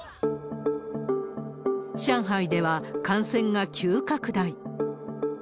上海では、感染が急拡大。